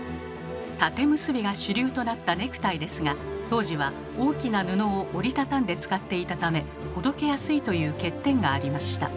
縦結びが主流となったネクタイですが当時は大きな布を折り畳んで使っていたためほどけやすいという欠点がありました。